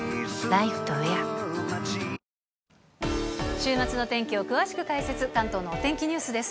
週末の天気を詳しく解説、関東のお天気ニュースです。